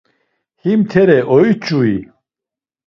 Him tere oiç̌ui?